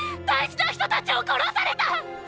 大事な人たちを殺された！！